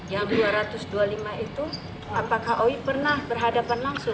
yang dua ratus dua puluh lima itu apakah oi pernah berhadapan langsung